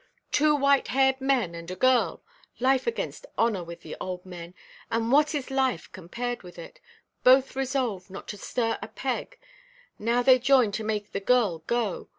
Two white–haired men and a girl. Life against honour with the old men; and what is life compared with it? Both resolved not to stir a peg; now they join to make the girl go.